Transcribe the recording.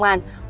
khoa phát hiện